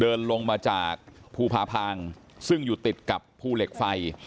เดินลงมาจากภูพาพางซึ่งอยู่ติดกับภูเหล็กไฟ